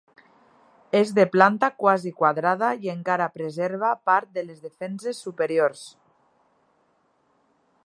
És de planta quasi quadrada i encara preserva part de les defenses superiors.